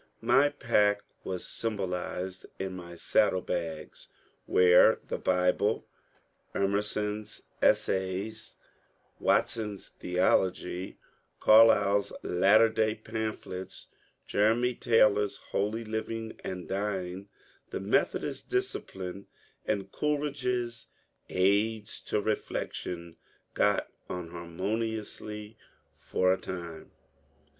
My pack was symbolized in my saddle bags, where the Bible, Emerson's ^^ Essays," Wat son's " Theology," Carlyle's Latter Day Pamphlets," Jeremy Taylor's " Holy Living and Dying," the Methodist Discipline, and Coleridge's ^^ Aids to Beflection " got on harmoniously, — for a time.